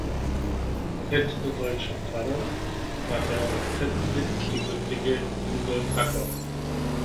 Letzter deutscher Pfarrer war der aus Zettlitz gebürtige Rudolf Hacker.